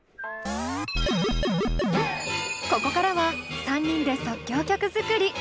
ここからは３人で即興曲作り。